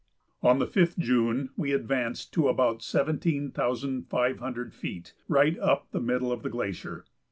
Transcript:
On the 5th June we advanced to about seventeen thousand five hundred feet right up the middle of the glacier.